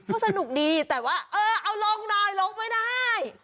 ก็สนุกดีแต่ว่าเออเอาลงหน่อยลงไม่ได้